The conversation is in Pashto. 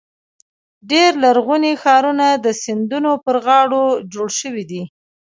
ډېری لرغوني ښارونه د سیندونو پر غاړو جوړ شوي دي.